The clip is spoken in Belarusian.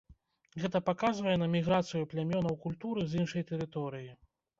Гэта паказвае на міграцыю плямёнаў культуры з іншай тэрыторыі.